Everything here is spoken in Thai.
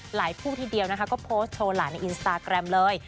ผู้ทีเดียวนะคะก็โพสต์โชว์หลายในอินสตาแกรมเลย